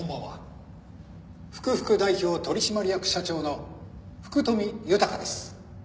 福々代表取締役社長の福富豊です。